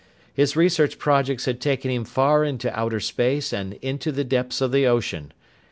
His research projects had taken him far into outer space and into the depths of the ocean.